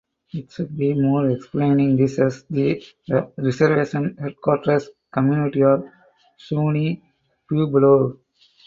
It should be more explaining this as "the reservation headquarters community of Zuni Pueblo".